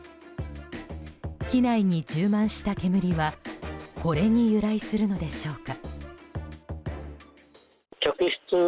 機内に充満した煙はこれに由来するのでしょうか。